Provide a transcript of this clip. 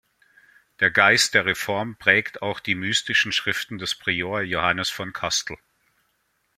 Der Geist der Reform prägt auch die mystischen Schriften des Priors Johannes von Kastl.